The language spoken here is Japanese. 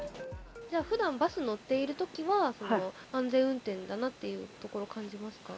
じゃあ、ふだん、バス乗っているときは、安全運転だなっていうところ感じますか？